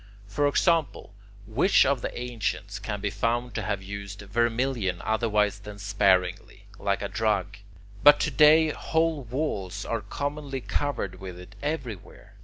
For example, which of the ancients can be found to have used vermilion otherwise than sparingly, like a drug? But today whole walls are commonly covered with it everywhere.